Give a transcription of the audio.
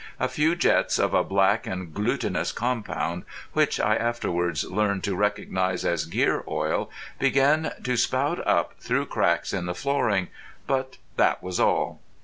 A few jets of a black and glutinous compound, which I afterwards learned to recognise as gear oil, began to spout up through cracks in the flooring, but that was all.